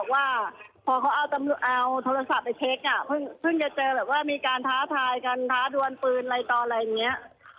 ว่าพอเขาเอาโทรศัพท์ไปเช็คอ่ะเพิ่งจะเจอแบบว่ามีการท้าทายกันท้าดวนปืนอะไรต่ออะไรอย่างนี้